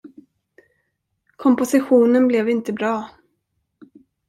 Kompositionen blev inte bra.